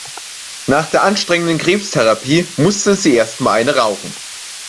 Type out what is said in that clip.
Nach der anstrengenden Krebstherapie musste sie erst mal eine rauchen.